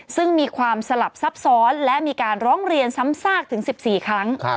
ซึ่งมีความสลับซับซ้อนและมีการร้องเรียนซ้ำซากถึง๑๔ครั้ง